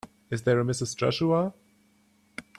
Is there a Mrs. Joshua?